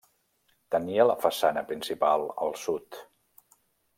Tenia la façana principal al sud.